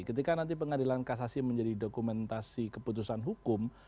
ketika nanti pengadilan kasasi menjadi dokumentasi keputusan hukum